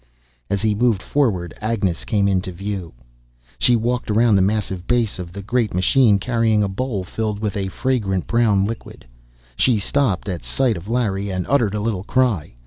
As he moved forward, Agnes came into view. She walked around the massive base of the great machine, carrying a bowl filled with a fragrant brown liquid. She stopped at sight of Larry, and uttered a little cry.